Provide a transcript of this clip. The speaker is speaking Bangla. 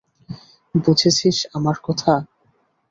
বুঝেছিস আমার কথা?